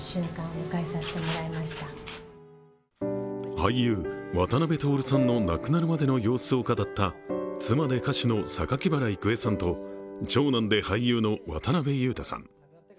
俳優・渡辺徹さんの亡くなるまでの様子を語った妻で歌手の榊原郁恵さんと長男で俳優の渡辺裕太さん。